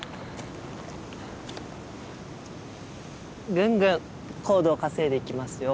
ぐんぐん高度を稼いでいきますよ。